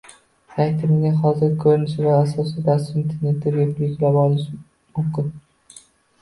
Saytimizning hozirgi ko’rinishi va asosiy dasturi internetda bepul yuklab olinishi mumkin